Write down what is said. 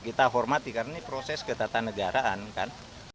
kita hormati karena ini proses ketatanegaraan kan